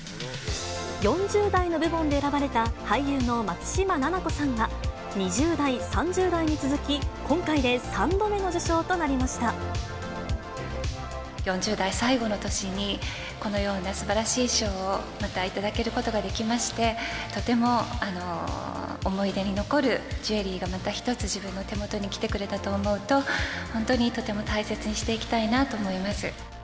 ４０代の部門で選ばれた、俳優の松嶋菜々子さんは、２０代、３０代に続き、今回で３度目の受４０代最後の年に、このようなすばらしい賞を、また頂けることができまして、とても思い出に残るジュエリーがまた一つ、自分の手元に来てくれたと思うと、本当にとても大切にしていきたいなと思います。